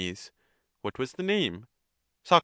What was the name? Soc.